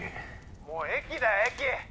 ☎もう駅だ駅！